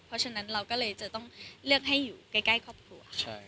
เพราะฉะนั้นเราก็เลยจะต้องเลือกให้อยู่ใกล้ครอบครัวค่ะ